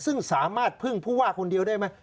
ซึ่งสามารถพึ่งผู้ว่าคนเดียวได้ไหม